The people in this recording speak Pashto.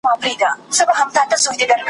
په هغه ښار کي !.